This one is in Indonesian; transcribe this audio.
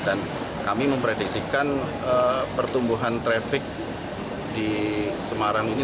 dan kami memprediksikan pertumbuhan trafik di semarang ini